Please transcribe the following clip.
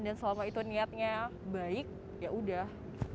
dan selama itu niatnya baik ya sudah